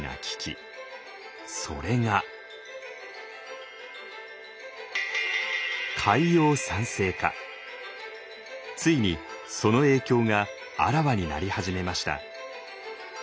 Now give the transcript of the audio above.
それがついにその影響があらわになり始めました。